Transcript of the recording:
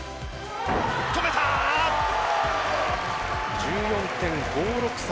止めた！１４．５６３。